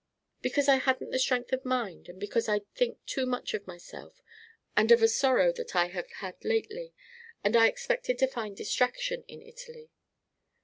"Because I hadn't the strength of mind and because I think too much of myself and of a sorrow that I have had lately. And I expected to find distraction in Italy."